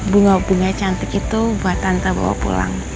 bunga bunga cantik itu buat tante bawa pulang